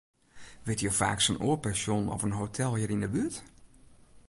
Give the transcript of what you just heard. Witte jo faaks in oar pensjon of in hotel hjir yn 'e buert?